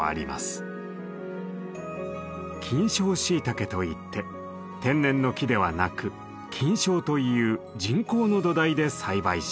「菌床シイタケ」といって天然の木ではなく菌床という人工の土台で栽培します。